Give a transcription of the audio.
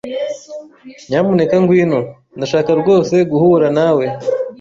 Nyamuneka ngwino. Ndashaka rwose guhura nawe.